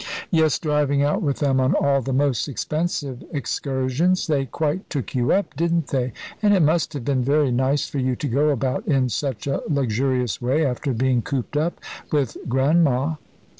"Yes, driving out with them on all the most expensive excursions. They quite took you up, didn't they? And it must have been very nice for you to go about in such a luxurious way after being cooped up with Gran'ma."